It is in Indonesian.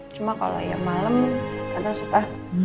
cuma kalau ya malam kadang suka